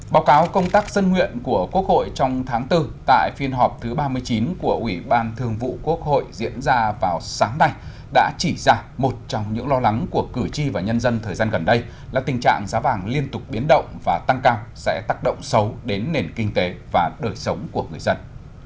báo cáo công tác dân nguyện của quốc hội trong tháng bốn tại phiên họp thứ ba mươi chín của ủy ban thường vụ quốc hội diễn ra vào sáng nay đã chỉ ra một trong những lo lắng của cử tri và nhân dân thời gian gần đây là tình trạng giá vàng liên tục biến động và tăng cao sẽ tác động xấu đến nền kinh tế và đời sống của người dân